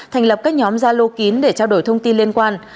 thành lập các nhóm gia lô kín để trao đổi thông tin liên quan